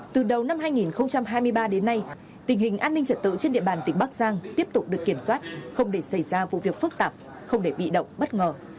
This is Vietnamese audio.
từ đầu năm hai nghìn hai mươi ba đến nay tình hình an ninh trật tự trên địa bàn tỉnh bắc giang tiếp tục được kiểm soát không để xảy ra vụ việc phức tạp không để bị động bất ngờ